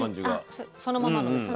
そのままのですか？